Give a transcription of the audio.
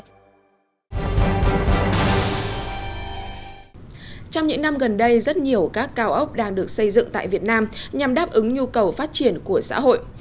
trong những năm gần đây rất nhiều các cao ốc đang được xây dựng tại việt nam nhằm đáp ứng nhu cầu phát triển của xã hội